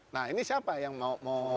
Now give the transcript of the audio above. nah ini siapa yang mau